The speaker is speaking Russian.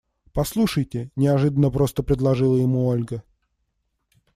Послушайте, – неожиданно просто предложила ему Ольга.